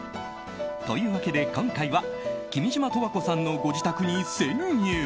というわけで今回は君島十和子さんのご自宅に潜入。